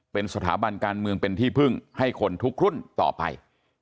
เป็นสถาบันการเมืองเป็นที่พึ่งให้คนทุกรุ่นต่อไป